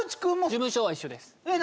事務所は一緒ですえっ？